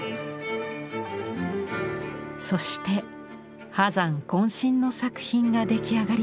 そして波山こん身の作品が出来上がりました。